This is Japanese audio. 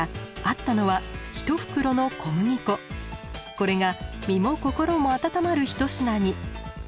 これが身も心も温まる一品に。